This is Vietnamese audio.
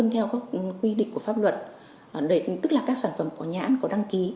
theo các quy định của pháp luật tức là các sản phẩm có nhãn có đăng ký